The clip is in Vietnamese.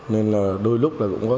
nên là đôi lúc là cũng có